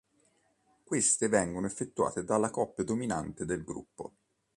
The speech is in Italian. Queste vengono effettuate dalla coppia dominante del gruppo.